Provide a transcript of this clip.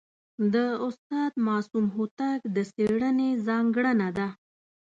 د استاد معصوم هوتک د څېړني ځانګړنه ده.